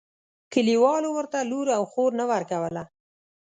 کلیوالو ورته لور او خور نه ورکوله.